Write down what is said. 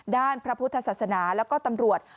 พระพุทธศาสนาแล้วก็ตำรวจ